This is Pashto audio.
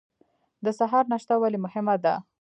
د سهار ناشته ولې مهمه ده؟